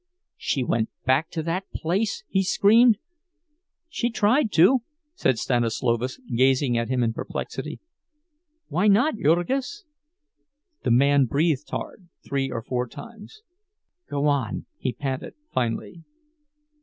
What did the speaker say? "She went back to that place?" he screamed. "She tried to," said Stanislovas, gazing at him in perplexity. "Why not, Jurgis?" The man breathed hard, three or four times. "Go—on," he panted, finally.